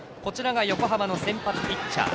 横浜の先発ピッチャー